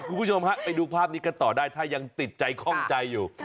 คุณผู้ชมฮะไปดูภาพนี้กันต่อได้ถ้ายังติดใจคล่องใจอยู่